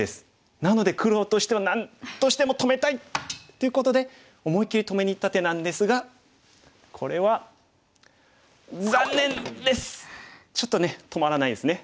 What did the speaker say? なので黒としてはなんとしても止めたいっていうことで思い切り止めにいった手なんですがこれはちょっとね止まらないですね。